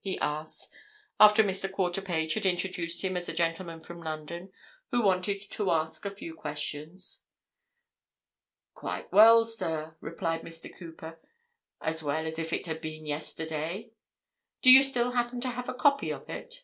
he asked, after Mr. Quarterpage had introduced him as a gentleman from London who wanted to ask a few questions. "Quite well, sir," replied Mr. Cooper. "As well as if it had been yesterday." "Do you still happen to have a copy of it?"